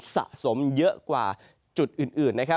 สะสมเยอะกว่าจุดอื่น